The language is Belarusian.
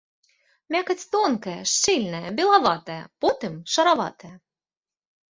Мякаць тонкая, шчыльная, белаватая, потым шараватая.